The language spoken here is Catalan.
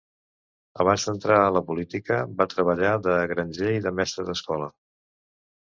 Abans d'entrar a la política va treballar de granger i de mestre d'escola.